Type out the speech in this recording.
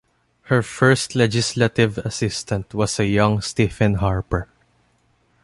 Her first legislative assistant was a young Stephen Harper.